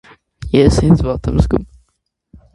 - ես ինձ վատ եմ զգում…